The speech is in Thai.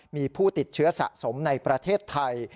มีผู้ติดเชื้อสะสมในประเทศไทย